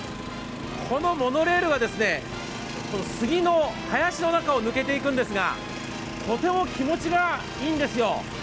このモノレールはですね、杉の林の中を抜けていくんですが、とても気持ちがいいんですよ。